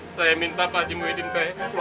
saya minta pak gigi muhyiddin baik